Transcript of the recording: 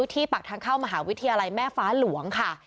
ที่ปากทางเข้ามหาวิทยาลัยแม่ฟ้าหลวงค่ะ